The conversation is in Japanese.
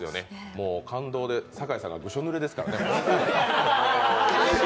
もう感動で酒井さんがぐしょぬれですからね。